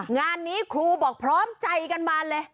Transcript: งานนี้ครูบอกพร้อมใจกันมาเลย